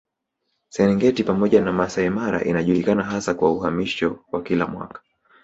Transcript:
Serengeti pamoja na Masai Mara inajulikana hasa kwa uhamisho wa kila mwaka